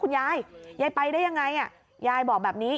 คุณยายยายไปได้ยังไงยายบอกแบบนี้